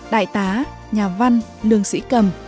đại tá nhà văn lương sĩ cầm